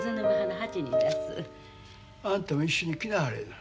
あんたも一緒に来はなれな。